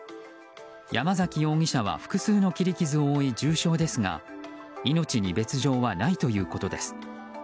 ヤマザキ容疑者は複数の切り傷を負い重傷ですが命に別条はないということです。